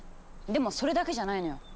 でもそれだけじゃないのよ。